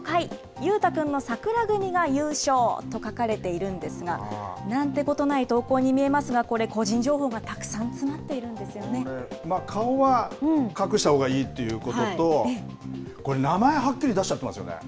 ゆうたくんのさくら組が優勝！と書かれているんですが、なんてことない投稿に見えますが、これ、個人情報がたくこれ、顔は隠したほうがいいっていうことと、これ、名前、はっきり出しちゃってますよね。